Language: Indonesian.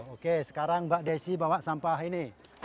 oke sekarang mbak desi bawa sampah ini